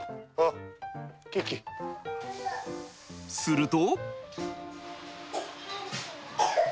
すると。